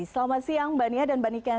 selamat siang mbak nia dan mbak niken